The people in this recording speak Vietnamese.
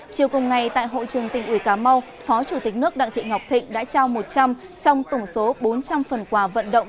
chiều cùng ngày tại hội trường tỉnh ủy cà mau phó chủ tịch nước đặng thị ngọc thịnh đã trao một trăm linh trong tổng số bốn trăm linh phần quà vận động